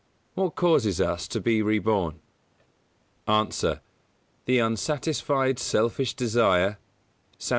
What causes us to be reborn? A. The unsatisfied selfish desire (Skt.